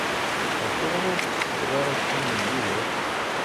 Acuɣer ur tsetteḍ ara aksum n yilef?